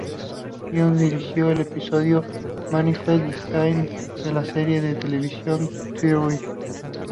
Johnson dirigió el episodio "Manifest Destiny" de la serie de televisión "Terriers".